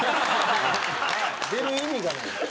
出る意味がない。